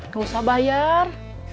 gak usah bayar